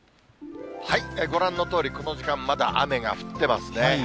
ご覧のとおりこの時間、まだ雨が降ってますね。